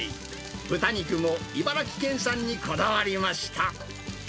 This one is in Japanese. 豚肉も茨城県産にこだわりました。